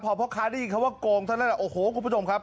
พอพ่อค้าได้ยินคำว่าโกงเท่านั้นโอ้โหคุณผู้ชมครับ